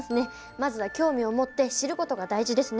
まずは興味を持って知ることが大事ですね。